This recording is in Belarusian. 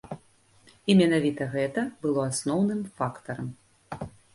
І менавіта гэта было асноўным фактарам.